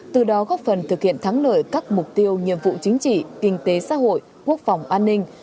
từ đó góp phần thực hiện thắng lợi các mục tiêu nhiệm vụ chính trị kinh tế xã hội quốc phòng an ninh